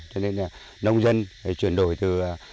cho nên là nông dân chuyển đổi từ